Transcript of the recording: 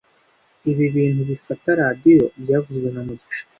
Ibi bintu bifata radio byavuzwe na mugisha